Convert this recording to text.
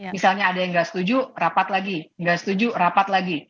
misalnya ada yang nggak setuju rapat lagi nggak setuju rapat lagi